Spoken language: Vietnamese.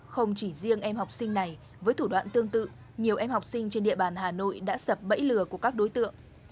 không chỉ riêng em học sinh này với thủ đoạn tương tự nhiều em học sinh trên địa bàn hà nội đã sập bẫy lừa của các đối tượng